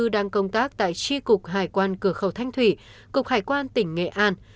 đang công tác tại tri cục hải quan cửa khẩu thanh thủy cục hải quan tỉnh nghệ an